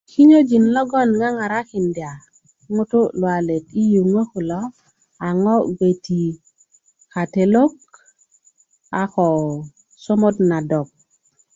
kinyöjin logon ŋarakinda ŋutu luwalet i yuŋö kulo a ŋo gbeti katelok a ko somot na dok